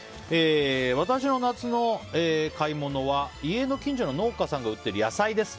私の夏の買い物は家の近所の農家さんが売っている野菜です。